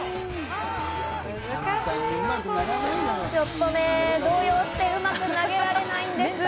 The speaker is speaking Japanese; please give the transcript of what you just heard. ちょっとね、動揺してうまく投げられないんです。